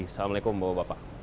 assalamualaikum wr wb